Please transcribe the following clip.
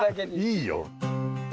いいよ。